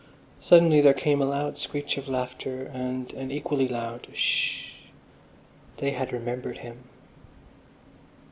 Suddenly there came a loud screech of laughter and an equally loud "Sh!" They had remembered him.